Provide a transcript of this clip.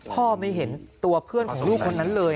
ไม่เห็นตัวเพื่อนของลูกคนนั้นเลย